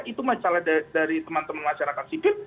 itu masalah dari teman teman masyarakat sipil